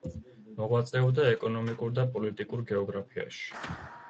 მოღვაწეობდა ეკონომიკურ და პოლიტიკურ გეოგრაფიაში.